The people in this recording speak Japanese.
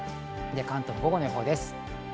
関東の午後の予報です。